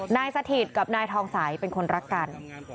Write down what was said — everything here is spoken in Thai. สถิตกับนายทองสัยเป็นคนรักกัน